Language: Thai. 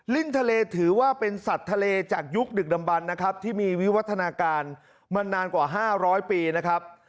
ลิ้นทะเลถือว่าเป็นสัตว์ทะเลจากยุคดึกดำบันนะครับที่มีวิวัฒนาการมานานกว่า๕๐๐ปีนะครับ